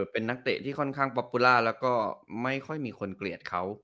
เป็นนักเตะที่ค่อนข้างป๊อปปุล่าแล้วก็ไม่ค่อยมีคนเกลียดเขา